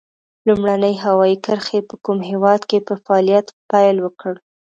لومړنۍ هوایي کرښې په کوم هېواد کې په فعالیت پیل وکړ؟